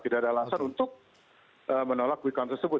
tidak ada alasan untuk menolak kuikon tersebut